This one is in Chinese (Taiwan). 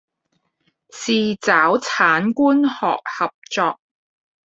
是找產官學合作